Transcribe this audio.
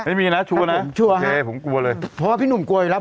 ไม่มีนะชัวร์นะชัวร์โอเคผมกลัวเลยเพราะว่าพี่หนุ่มกลัวอยู่แล้ว